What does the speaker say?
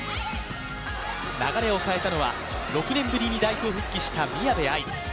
流れを変えたのは６年ぶりに代表復帰した宮部藍梨。